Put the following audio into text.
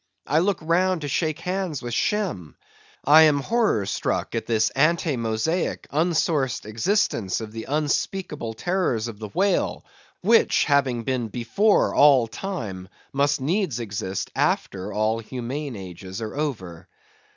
I look round to shake hands with Shem. I am horror struck at this antemosaic, unsourced existence of the unspeakable terrors of the whale, which, having been before all time, must needs exist after all humane ages are over.